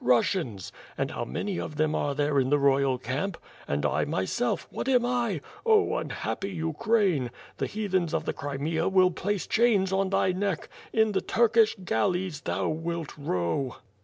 Kussians! And how many of . them are there in the royal camp? And I myself — what am I? Oh, unhappy Ukraine! the heathens of the Crimea will place chains on thy neck; in the Turkish galleys thou wilt row!"